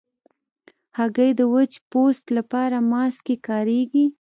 هګۍ د وچ پوست لپاره ماسک کې کارېږي.